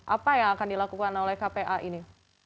apa yang akan dilakukan oleh kpa ini